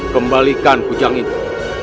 kembalikan kucang itu